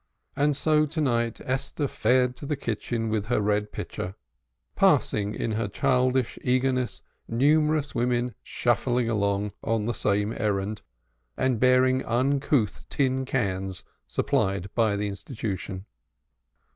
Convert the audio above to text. And so to night Esther fared to the kitchen, with her red pitcher, passing in her childish eagerness numerous women shuffling along on the same errand, and bearing uncouth tin cans supplied by the institution.